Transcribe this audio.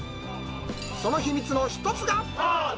その秘密の１つが。